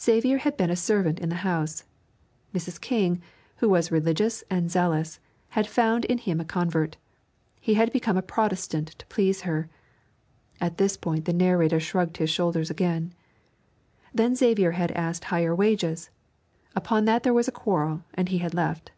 Xavier had been a servant in the house. Mrs. King, who was religious and zealous, had found in him a convert. He had become a Protestant to please her. (At this point the narrator shrugged his shoulders again.) Then Xavier had asked higher wages; upon that there was a quarrel, and he had left.